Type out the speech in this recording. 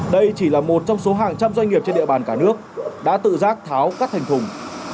đây chỉ là một trong số hàng trăm doanh nghiệp trên địa bàn cả nước đã tự giác tháo các thành thùng